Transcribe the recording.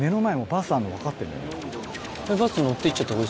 バス乗っていっちゃった方が。